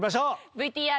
ＶＴＲ。